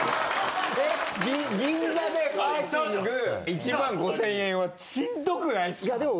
銀座でパーキング１万５０００円はしんどくないですか？